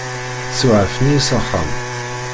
Suɛfen-iyi s axxam.